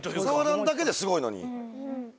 触らんだけですごいのに。